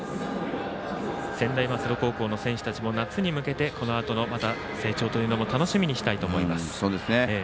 専大松戸高校の選手たちも夏に向けてこのあとの成長というのも楽しみにしたいと思います。